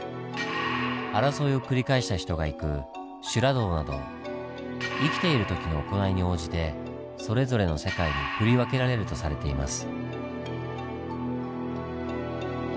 争いを繰り返した人が行く修羅道など生きている時の行いに応じてそれぞれの世界に振り分けられるとされています。